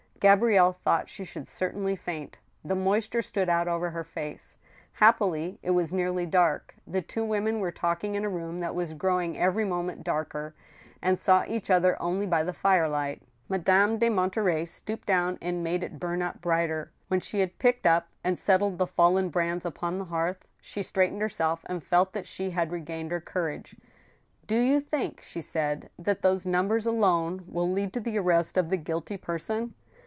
Gabrielle thought she should certainly faint. The moisture stood out over her face. Happily, it was nearly dark. The two women were talking in a room that was growing every moment darker, and saw each other only by the firelight. Madame de Monterey stooped down and made it bum up brighter. When she had picked up and settled the fallen brands upon the hearth, she straightened herself and felt that she had re gained her courage. Do you think," she said, " that those numbers alone will lead to the arrest of the guilty person